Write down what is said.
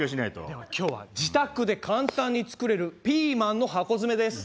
では今日は自宅で簡単に作れるピーマンの箱詰めです。